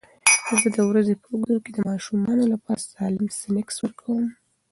زه د ورځې په اوږدو کې د ماشومانو لپاره سالم سنکس ورکوم.